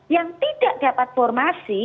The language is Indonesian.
yang tidak dapat formasi